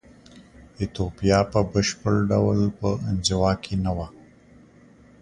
ایتوپیا په بشپړ ډول په انزوا کې نه وه.